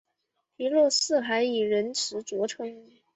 皮洛士还以仁慈着称。